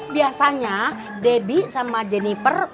biasanya debbie sama jennifer